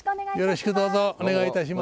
よろしくどうぞお願いいたします。